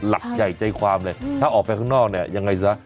หลักใหญ่ใจความเลยถ้าออกไปข้างนอกเนี่ยยังไงซะ